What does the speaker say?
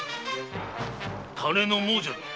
金の亡者だ！